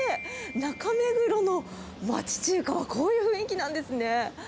中目黒の町中華はこういう雰囲気なんですね。